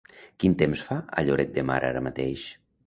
Quin temps fa a Lloret de Mar ara mateix?